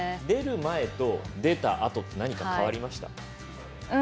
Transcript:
出る前と出たあと何か変わりました？